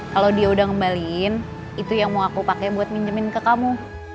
kalau dia udah ngembaliin itu yang mau aku pakai buat minjemin ke kamu